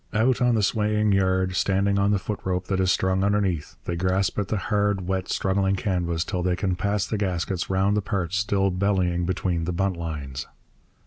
Out on the swaying yard, standing on the foot rope that is strung underneath, they grasp at the hard, wet, struggling canvas till they can pass the gaskets round the parts still bellying between the buntlines.